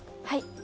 はい。